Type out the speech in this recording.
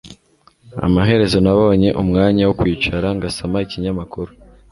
Amaherezo nabonye umwanya wo kwicara ngasoma ikinyamakuru